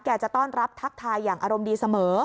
จะต้อนรับทักทายอย่างอารมณ์ดีเสมอ